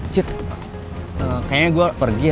cit kayaknya gue pergi